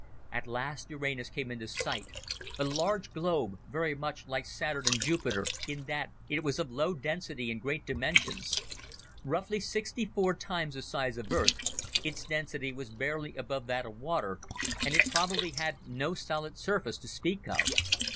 At last Uranus came into sight a large globe, very much like Saturn and Jupiter in that it was of low density and great dimensions. Roughly, sixty four times the size of Earth, its density was barely above that of water and it probably had no solid surface to speak of.